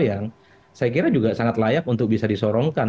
yang saya kira juga sangat layak untuk bisa disorongkan